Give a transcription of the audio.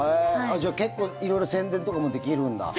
じゃあ結構色んな宣伝とかもできるんだ。